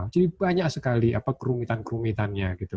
jadi banyak sekali kerumitan kerumitannya